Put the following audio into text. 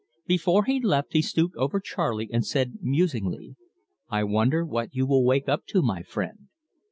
Before he left he stooped over Charley and said musingly: "I wonder what you will wake up to, my friend?"